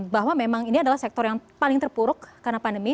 bahwa memang ini adalah sektor yang paling terpuruk karena pandemi